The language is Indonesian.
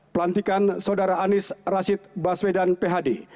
pelantikan saudara anies rashid baswedan phd